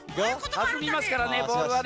はずみますからねボールはね。